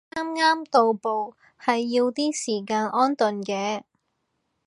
啱啱到埗係要啲時間安頓嘅